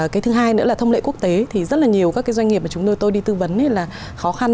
cái thứ hai nữa là thông lệ quốc tế thì rất là nhiều các cái doanh nghiệp mà chúng tôi đi tư vấn thì là khó khăn